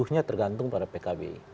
empat puluh nya tergantung pada pkb